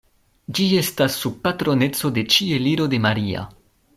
Ĝi estas sub patroneco de Ĉieliro de Maria.